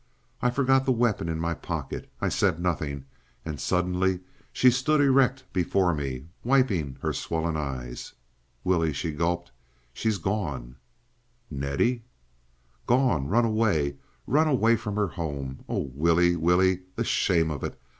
I forgot the weapon in my pocket. I said nothing, and suddenly she stood erect before me, wiping her swollen eyes. "Willie," she gulped, "she's gone!" "Nettie?" "Gone! ... Run away. ... Run away from her home. Oh, Willie, Willie! The shame of it!